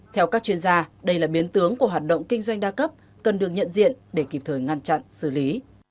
theo các chuyên gia đây là biến tướng của hoạt động kinh doanh đa cấp cần được nhận diện để kịp thời ngăn chặn xử lý